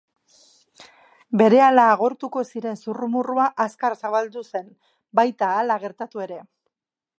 Berehala agortuko ziren zurrumurrua azkar zabaldu zen, baita hala gertatu ere!